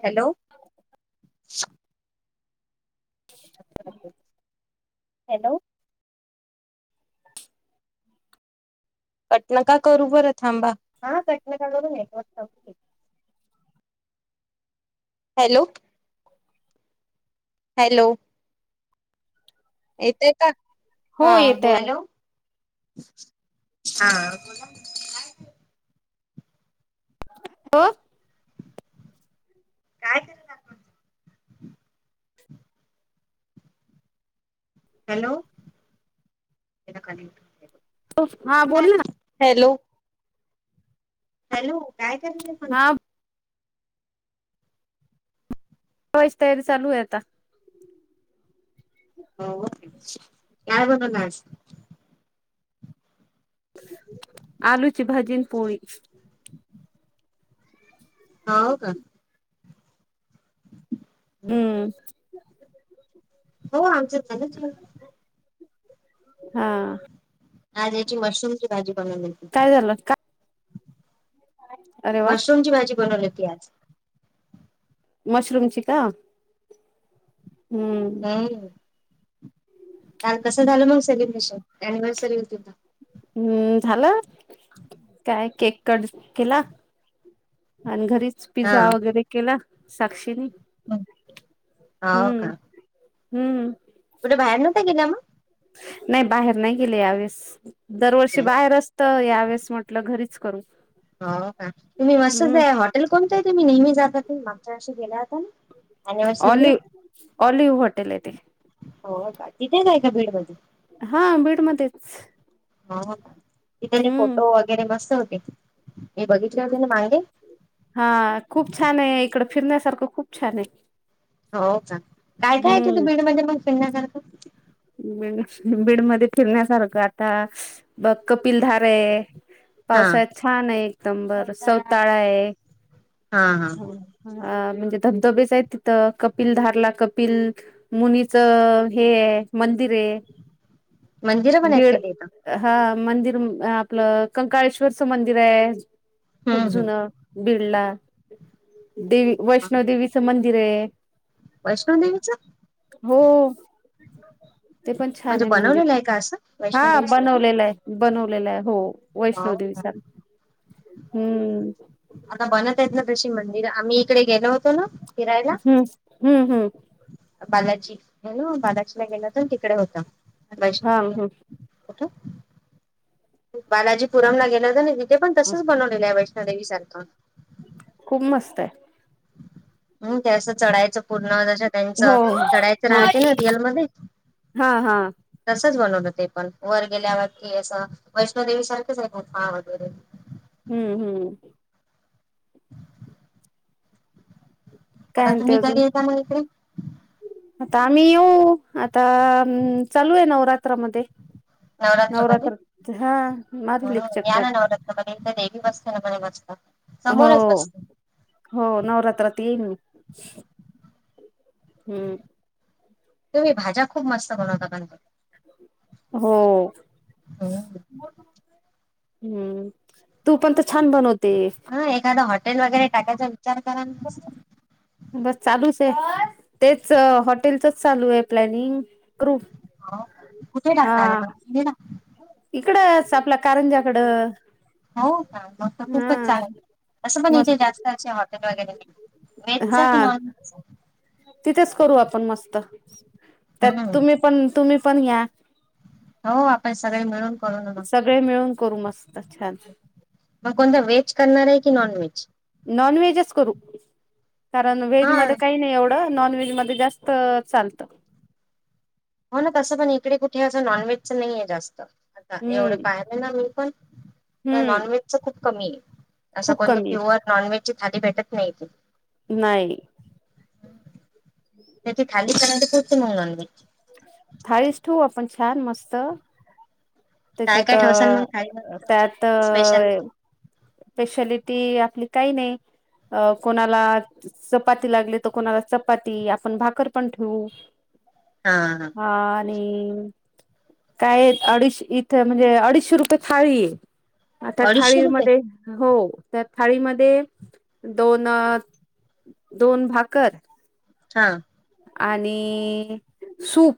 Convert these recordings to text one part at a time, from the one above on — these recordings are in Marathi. हॅलो ह हॅलो कटनं का करू बरं थांबा हा कटन का करूनय हॅलो हॅलो यथे का हो हा येतय बोल हा हो काय करेलणचं हॅलो हा बोल ना हॅलो हॅलो काय करलंय ना मणल हा आची तयारी चालू आहे आता हो काय बनवला आलूची भाजी पोळी हा हो का हम्म हो आमचं पणच हा आज याची मशरूम ची भाजी बनवलीती काय झालं का अरे वा मशरूमची भाजी बनवली त यार मशरूम चिका हम् का कसं झालं मग सेलिब्रेशन अनिव्हर्सरी होती ना हम्म झालं काय केक कट केला आणि घरीच पिझ्झा वगैरे केला साक्षीने ह हा हम्म का हम्म कुठे बाहेर नव्हता गेला मग नाही बाहेर नाही गेले यावेळेस दरवर्षी मग बाहेर असत यावेस म्हट घरीच करू हो का तुम्ही मस्त हम्म हॉटेल कोणत आहे तुम्ही नेहमी जातात मागच्या वर्षी गेल्या होता ना अनिव्हर्सरीला ऑलिव ऑलिव होॉटेल य ते हो का तिथेचय का बीड मध्ये हा बीड मध्येच ह त त्याने फोटो वगैरे मस्त होते मी बघितले होते ना मागे हा खूप छान आहे इकड फिरण्यासारखं खूप छान आहे हो का काय काय त तू हम्म बीड मध्ये मग फिरण्याकरख बीड मध्ये फिरण्यासारखं आता बघ कपिलधारे हा पावसाळ्यात छान आहे एकदम बर सवताळा आहे हा हा अ म्हणजे धबधबेच आहे तिथं कपिल धारला कपिल मुनीच हे मंदिरे मंदिर पण आहेत कधी आथ मंदिर आपलं कंकाळेश्वरच मंदिर आहे खूप हम्म जुनं बिडला देवी वैष्णव देेवीचं मंदिर आहे वैष्णो देेवीच हो ते पण छान म्हणजे आहे बनवलेलं मंदिर का असं हा वैष्णोदेवी सारखं बनवलेलं आहे बनवलेलं आहे हो हो वैष्णोदेवी का सारखं हम्म आता बनत मंदिर आम्ही इकडे गेलो होतो ना फिरायला हम्म हम्म हम्म बालाजी ना बालाजी ला गेला हो तर तिकडे होता हा हम्म बालाजी पुरमला गेला तर आणि तिथे पण तसच बनवलेलं आहे वैष्णोदेवी सारखं खूप मस्त आहे हम् त्यास चढाय पूर्ण ज त्यांच हो चढायच हो राहते ना रियल मधे हा हा बनवलं ते पण वर गेल्यावर की असं वैष्णोदेवी सारखेच आहे ना गुफा वगैरे हम्म हम्म काय आता म्हणते तुम्ही अजून कधी येता म हिकडे? आता आम्ही येऊ आता चालू आहे नवरात्रामध्ये. नवरात्रमध्ये नवरात्र हा मारील एक चक्कर. तर देवी बसते ना मणे मस्त. हो समोरच बसते हो नवरात्रात येईन मी. हम्म. तुम्ही भाज्या खूप मस्त बनवता [unintelligible] हो. हम्म. हम्म तू पण तर छान बनवत हा एखादा हॉटेल वगैरे टाकायचा विचार करालाना मस्त. ते तेच हॉटेलचच चालू आहे प्लॅनिंग कृप कुठे टाखणार आहे म [unintelligible] तिकडचं आपल्या कारंजाकड. हो का मग त खूपच छान असं पण इथे मस्त जास्त असे हॉटेल वगैरे नाही. हा व्हेजच की नॉन व्हेजच. तिथेच करू आपण मस्त त्यात हम्म तुम्ही पण तुम्ही पण या. हो आपण सगळे मिळून करू ना मग. सगळे मिळून करू मस्त छान. मग कोणता व्हेज करणार आहे की नॉन व्हेज? नॉन व्हेजच करू. कारण व्हेज हा मध्ये काही नाही एवढं नॉन व्हेज मध्ये जास्त चालत. हो ना तसं पण इकडे कुठे अस नॉनव्हेजच नाहीे जास्त आता हम्म एवढे पाहिले ना मी पण तर हम्म नॉनव्हेज च खूप कमी हे असं खूप कोणतं कमी प्युअर नॉनव्हेज खाली भेटत नाही इथे. नाही. त्याच्या थाळी ठेवणार [unintelligible] थाळीच ठेवू आपण छान मस्त. काय त्याच्यात काय ठेवसाल मग थाळीमध्ये तुमच्या त्यात स्पेशालिटी? स्पेशली ती आपली काही नाही अ कोणाला चपाती लागली तर कोणाला चपाती, आपण भाकर पण ठेवू. हां, हा. आणि काय अडीचश इथे म्हणजे अडीचशे रुपये थाळी हे. आता अडीचशे रुपये थाळीमध्ये हो त्या थाळीमध्ये दोन दोन भाकर हा. आणि सूप,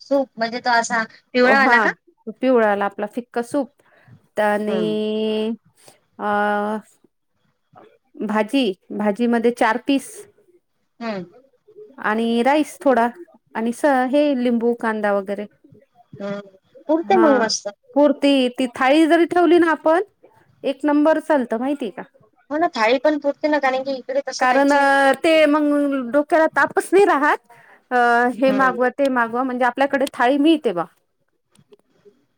सूप म्हणजे तो असा पिवळावाला हा का? पिवळाला आपला फिक्का सूप हम्म आणि अ भाजी भाजी मध्ये चार पीस हम्म आणि राईस थोडा आणि स हे लिंबू कांदा वगैरे [inaudible] हा मग मस्त पूर्ती ती थाळी जरी ठेवली ना आपण एक नंबर चालत माहितीय का. हो ना थाळी पण पुरती ना कारण की इकडे तसं कारण काहीच नाही. अ ते मग डोक्याला तापच नाही राहात हे हम्म मागवा ते माग म्हणजे आपल्याकडे थाळी मिळते बा.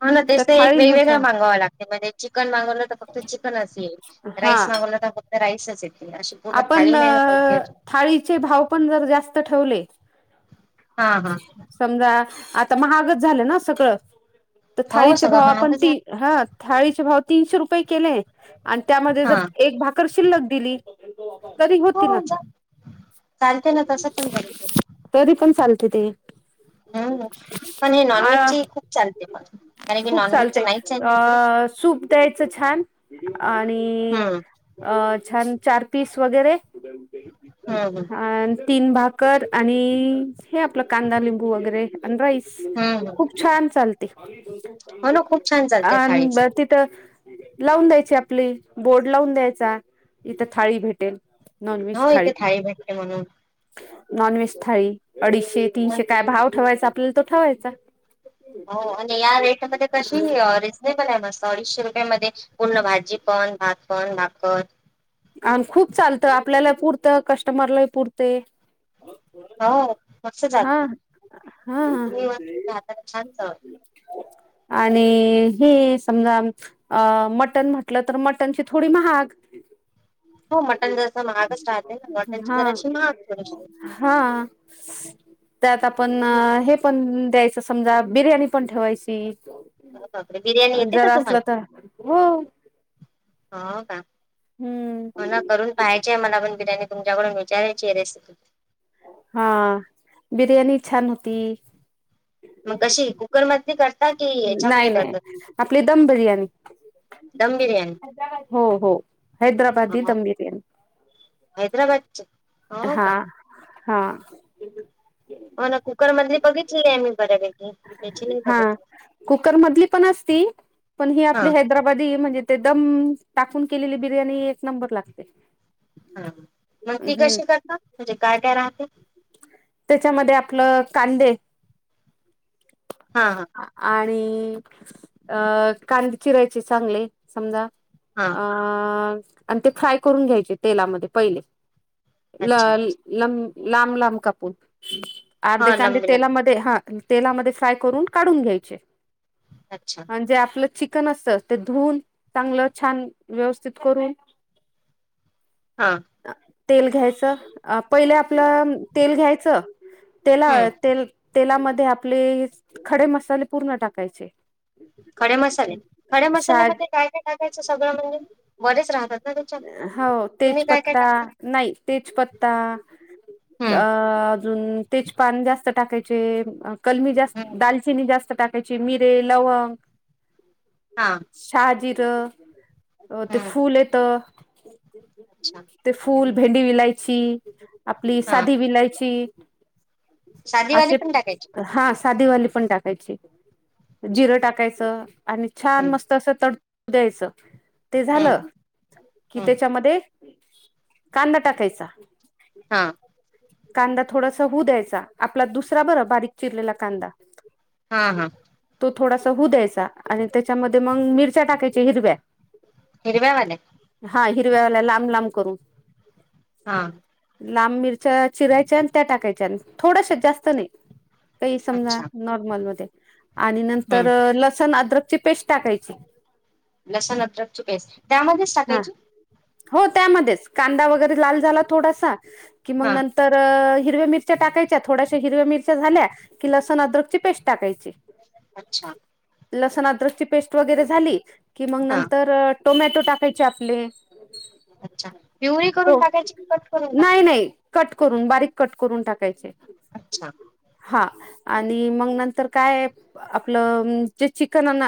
ह ना तेस त्या एक वेगवेगळ थाळीनुसार मागाव लागते म्हणजे चिकन मागवलं तर फक्त चिकन येईल हा राईस मा मागवला तर फक्त राईसच ये आपण थाळीचे भाव पण जर जास्त ठेवले. हा हा समजा आता महागच झालं ना सगळं तर हो थाळीचे सगळं भाव आपण महागच आहे ती हा थाळीचे भाव तीनशे रुपये केले आणि त्यामध्ये हा जर एक भाकर शिल्लक दिली तरी हो होती ना जा- चालते ना तसं पण जमते तरी पण चाल [inaudible] हम्म पण हे अ नॉनव्हेज ची खूप चालते पण कारण की नॉनव्हेज च चालते नाहीच आहे इकडे अ खूप द्यायचं छान आणि हम्म अ छान. चार पीस वगैरे हम्म हम्म अ तीन भाकर आणि हे आपलं कांदा, लिंबू वगैरे आणि राईस हम्म खूप छान चालतेय. हो ना खूप छान अ चालते थाळीच ब तिथ लावून द्यायची आपली,, बोर्ड लावून द्यायचा, इथं थाळी भेटेल. नॉन व्हेज हो थाळी. इथे भेटते म्हणून नॉन व्हेज थाळी अडीचशे, तीनशे काय भाव ठेवायचा आपल्याला तो ठेवायचा. हो आणि या रेटमध्येध्ये कशी रिझनेबल आहे मस्त अडीचशे रुपये रूपया मधे पूर्ण भाजी पण, भात पण, भाकर अ खूप चालतं आपल्याला पुरतं कस्टमरलाही पुरते हो, मस्त हा चालते हा तुम्ही म राहता छान चाल [unintelligible] आणि हे समजा अ मटण म्हटलं तर मटणची थोडी महाग. [inaudible] हो मटन जसं महागच राहते ना मटनची जरा हा अशी महागशी हा त्यात आपण हे पण द्यायचं समजा बिर्याणी पण ठेवायची. हो पर बिर्याणी येते का जर तुम्हाला? असलं तर हो हो का हम्म मणा करून पाहायचे आहे मला पण बिर्याणी तुमच्याकडून विचारायचीय रेसि हा बिर्याणी छान होती. मग कशी कुकर मधली करता की नाही याच्यामध्ये नाही करता तुम्ही? आपली दम बिर्याणी. दम बिर्याणी हो हो हैदराबादी हो दम बिर्याणी. हैदराबादची हो हा का. हा. हो ना कुकर मधली बघितली आहे मी बऱ्यापैकी याची नाही हा बघितली कुकरमधली पण असती पण ही हा आपली हैदराबादी म्हणजे ते दम टाकून केलेली बिर्याणी एक नंबर लागते. हा मग ती हम्म कशी करतात म्हणजे काय काय राहते? त्याच्यामध्ये आपलं कांदे हा हा आणि अ कांदे चिरायचे चांगले समजा हा अ आणि ते फ्राय करून घ्यायचे तेलामध्ये पहिले ल अच्छा लं लांब लांब कापून अर्धे हा कांदे लंबे लंबे तेलामध्ये हा फ्राय करून काडुन घ्यायचे अच्छा आन जे आपलं चिक च असत, ते धुऊन, चांगलं छान व्यवस्थित करून, हा ऽ तेल घ्यायचं पहिले, आपलं तेल घ्यायचंऽ तेला, हम्म तेलामध्ये आपले खडे मसाले पूर्ण टाकायचे. खडे मसाले, खडे शाड मसाल्यामध्ये काय, काय टाकायचं सगळं म्हणजे? बरेच राहतात ना.. त्याच्यात हो,, तुम्ही काय काय तेजपत्ता, टाकता नाही तेजपत्ता, हम्म अऽ अून तेजपन जास्त टाकायचे,, कलमी जास्त, हम्म दालचिनी जास्त टाऽ त्याची मिरे, लवंग, हा शहाजिरं,, अ ते हम्म फूल येत,, अच्छा ते फुल, भेंडी विलायची,, आपली हा साधी विलायची साधीवाली असे पण टाकायची का? हा साधीवाली पण टाकायची अच्छा जिरं टाकायचं आणि छान हम्म मस्त असं तडू द्यायचं ते झालं हम्म कि हम्म त्याच्यामध्ये कांदा टाकायचा हा कांदा थोडासा होऊ द्यायचा आपला दुसरा बर बारीक चिरलेला कांदा हा हा तो थोडासा होऊ द्यायचा आणि त्याच्यामध्ये मग मिरच्या टाकायच्या हिरव्या हिरव्या वाल्या हिरवे्याला लाम लाम कर हा लांब मिरच्या चिरायच्या आणि त्या टाकायच्या आणि थोडश जास्त नाही काही समजा अच्छा नॉर्मलमध्ये आणि हम्म नंतर लसण अद्रकची पेस्ट टाकायची लसण अद्रकची पेस्ट त्यामध्येच हा टाकायची हो त्यामध्येच कांदा वगैरे लाल झाला थोडासा कि मग हा नंतर हिरव्या मिरच्या टाकायच्या थोड्या हिरव्या मिरच्या झाल्या की लसण अद्रकची पेस्ट टाकायची अच्छा लसण अद्रकची पेस्ट वगैरे झाली कि मग हा नंतर टोमॅटो टाकायचे आपले अच्छा पिवरी करून हो टाकायची क कट करून नाही टाका नाही कट करून बारीक कट करून टाकायचे अच्छा हा आणि मग नंतर काय आपलं जे चिकन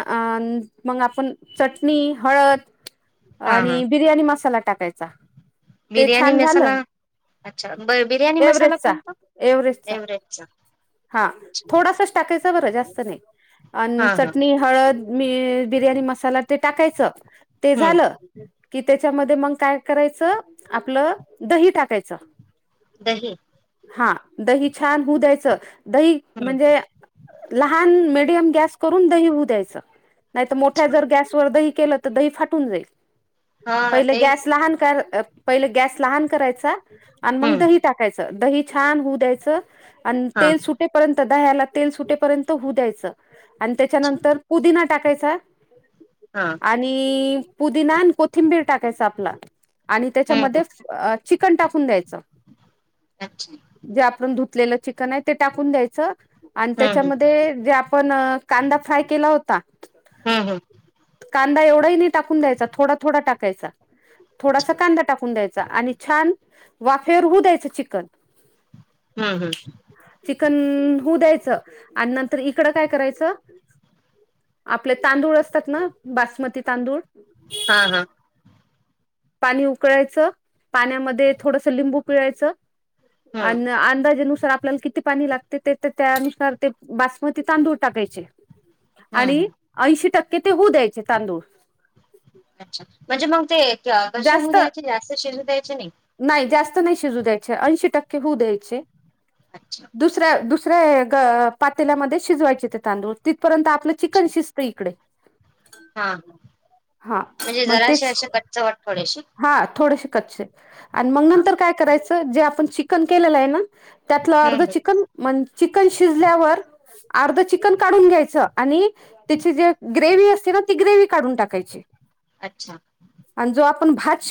मग आपण चटणी हळद आणि बिर्याणी मसाला टाकायचा ते बिरयाणी छान मसाला झालं अच्छा ब बिर्याणी मसाला एव्हरेजचा कोणता एव्हरेजचा हा अच्छा थोडासाच टाकायच बर जास्त नाही आणि हा हा चटणी हळद मी बिर्याणी मसाला ते टाकायचं ते हम्म झालं कि त्याच्यामध्ये मग काय करायचं आपलं दही टाकायचं दही हा दही छान होऊ द्यायचं दही हम्म म्हणजे लहान मिडीयम गॅस करून दही होऊ द्यायचं नाहीतर मोठ्या अच्छा जर गॅसवर दही केला तर दही फाटून जाईल हा तेच पहिले गॅस लहान करायचा आणि मग हम्म दही टाकायचं दही छान होऊ द्यायचं आणि हा तेल सुटेपर्यंत दह्याला तेल सुटेपर्यंत होऊ द्यायचं आणि अच्छा त्याच्यानंतर पुदिना टाकायचा हा आणि पुदीनान कोथिंबीर टाकायचा आपला आणि हम्म त्याच्यामध्ये हम्म चिकन टाकून द्यायचं अच्छा जे आपण धुतलेलं चिकन आहे ते टाकून द्यायचं आणि हम्म त्याच्यामध्ये जे आपण कांदा फ्राय केला होता हम्म हम्म कांदा एवढाही नाही टाकून द्यायचा थोडा थोडा टाकायचा थोडासा कांदा टाकून द्यायचा आणि छान वाफेवर होऊ द्यायचं चिकन हम्म हम्म कन होऊ द्यायचं आणि नंतर इकड काय करायचं आपले तांदूळ असतात ना बासमती तांदूळ हा हा पाणी उकळायचं पाण्यामध्ये थोडस लिंबू पिळायचं हम्म अण अंदाजे नु आपल्याला किती पाणी लागते ते तर त्यानुसार ते बासमती तांदूळ टाकायचे आणि हम्म ऐंशी टक्के ते होऊ द्यायचे तांदूळ अच्छा म्हणजे मग ते कचे होऊ जास्त द्यायचे जास्त शिजू द्यायचे नाही कच्ची नाही शिजू द्यायचे [inaudible] एशी टक्के शिजू द्यायचे अच्छा दुसऱ्या दुसऱ्या दुस गं पातेल्यामध्ये शिजवायचे ते तांदूळ तिथपर्यंत आपलं चिकन अच्छा शिजतं इकडे हा -हा हा [inaudible] म्हणजे मग ते जराशी असे कच्चावर थोडेशे हा थोडेसे कच्चे आणि मग नंतर काय करायचं जे आपण चिकन केलेलं आहे ना त्यातलं हम्म अर्ध हम्म चिकन म्हण चिकन शिजल्यावर अर्ध चिकन काढून घ्यायचं आणि [inaudible] त्याची जी ग्रेवी असते ना ती ग्रेवी काढून टाकायची अच्छा आणि जो आपण भात